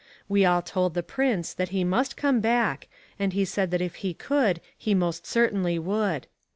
We all told the prince that he must come back and he said that if he could he most certainly would.